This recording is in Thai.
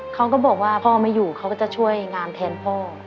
เขาก็บอกว่าพ่อไม่อยู่เขาก็จะช่วยงานแทนพ่อ